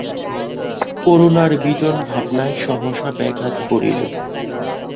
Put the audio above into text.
করুণার বিজন ভাবনায় সহসা ব্যাঘাত পড়িল।